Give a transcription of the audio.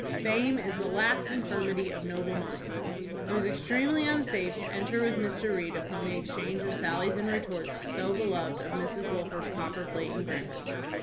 Fame is the last infirmity of noble mind.' " It was ex tremely unsafe to enter with Mr, Reed upon the ex change of saUies and retorts, so beloved of Mrs. Wil fer's copper plate engravers.